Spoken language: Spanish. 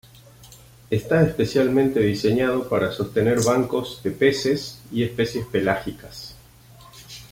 Está especialmente diseñado para sostener bancos de peces y especies pelágicas.